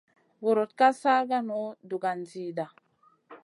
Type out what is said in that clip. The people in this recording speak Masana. Vurutn ka sarkanu dugan zida.